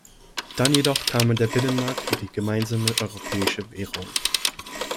Dann jedoch kamen der Binnenmarkt und die gemeinsame Europäische Währung.